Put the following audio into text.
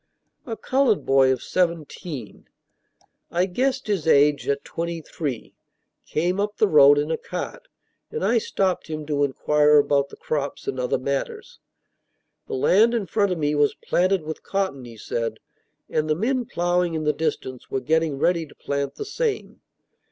A colored boy of seventeen I guessed his age at twenty three came up the road in a cart, and I stopped him to inquire about the crops and other matters. The land in front of me was planted with cotton, he said; and the men ploughing in the distance were getting ready to plant the same.